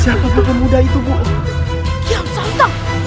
siapa itu muda itu buat